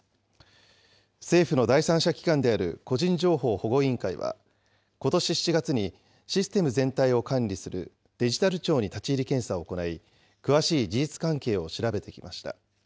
政府の第三者機関である個人情報保護委員会は、ことし７月にシステム全体を管理するデジタル庁に立ち入り検査を行い、詳しい事実関係を調べてきました。